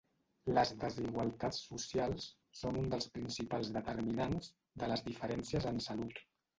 Les desigualtats socials són un dels principals determinants de les diferències en salut.